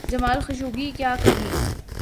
جمال Khashoggi… کیا کہیں؟